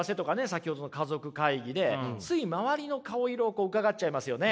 先ほどの家族会議でつい周りの顔色をうかがっちゃいますよね。